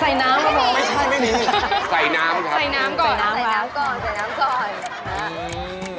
ใส่น้ำก่อนใส่น้ำก่อน